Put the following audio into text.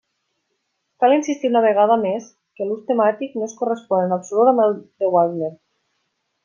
Cal insistir una vegada més que l'ús temàtic no es correspon en absolut amb el de Wagner.